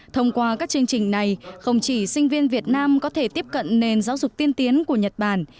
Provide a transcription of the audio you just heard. thông qua các chương trình này không chỉ sinh viên việt nam có thể tiếp cận nền giáo dục tiên tiến của nhật bản